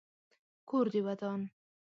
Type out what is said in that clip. کور دي ودان .